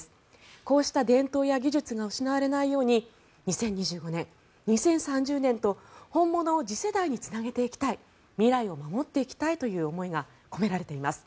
こうした伝統や技術が失われないように２０２５年、２０３０年と本物を次世代につなげていきたい未来を守っていきたいという思いが込められています。